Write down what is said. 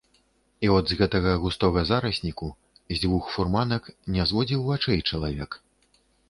І от з гэтага густога зарасніку з дзвюх фурманак не зводзіў вачэй чалавек.